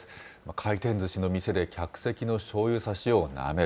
回転ずしの店で客席のしょうゆさしをなめる、